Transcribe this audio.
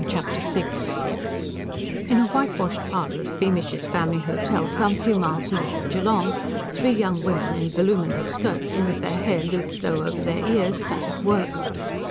Chapter VI In a whitewashed parlour of "Beamish's Family Hotel" some few miles north of Geelong, three young women, in voluminous skirts and with their hair looped low over their ears, sat at work.